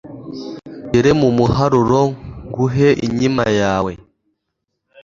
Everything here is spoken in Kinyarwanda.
tugere mu muharuro nguhe inkima yawe